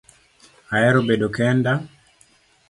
Ahero bedo kenda